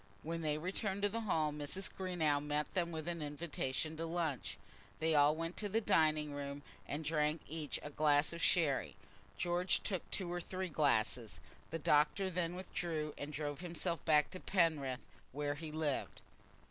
When they returned to the hall Mrs. Greenow met them with an invitation to lunch. They all went to the dining room, and drank each a glass of sherry. George took two or three glasses. The doctor then withdrew, and drove himself back to Penrith, where he lived.